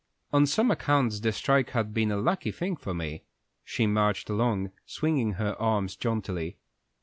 On some accounts the strike has been a lucky thing for me." She marched along, swinging her arms jauntily.